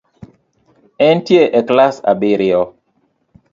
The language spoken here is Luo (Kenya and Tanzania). Entie e klas abirio